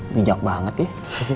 bijak banget nih